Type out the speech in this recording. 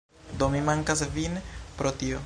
Do, mi dankas vin pro tio